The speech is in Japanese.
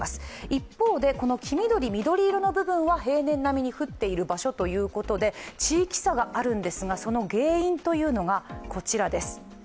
一方で、黄緑、緑色の部分は平年並みに降っている場所ということで地域差があるんですが、その原因というのがこちらです。